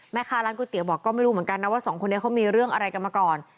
แม่ค้าร้านก๋วยเตี๋ยวบอกก็ไม่รู้เหมือนกันนะว่าสองคนนี้เขามีเรื่องอะไรกันมาก่อน